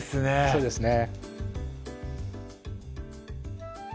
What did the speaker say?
そうですね